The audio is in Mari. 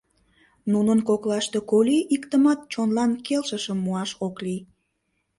«Нунын коклаште коли иктымат чонлан келшышым муаш ок лий?